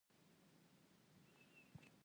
د غرونو منځ کې سیندونه پیدا کېږي.